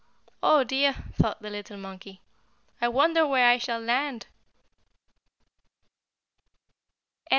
"Oh dear!" thought the little monkey, "I wonder where I shall land!"